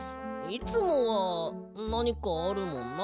いつもはなにかあるもんな。